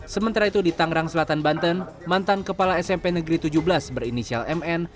sementara itu di tangerang selatan banten mantan kepala smp negeri tujuh belas berinisial mn